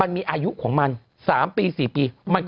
อึกอึกอึกอึก